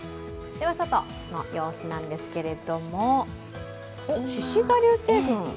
外の様子なんですけれどもしし座流星群？